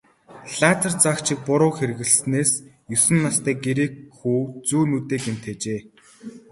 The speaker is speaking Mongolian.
Лазер заагчийг буруу хэрэглэснээс есөн настай грек хүү зүүн нүдээ гэмтээжээ.